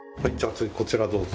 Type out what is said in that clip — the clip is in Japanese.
次こちらどうぞ。